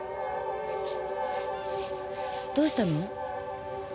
どうしたの？